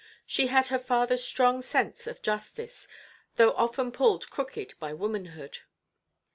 She had her fatherʼs strong sense of justice, though often pulled crooked by womanhood.